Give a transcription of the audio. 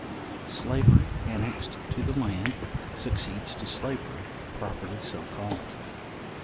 Slavery annexed to the land, succeeds to slavery properly so called.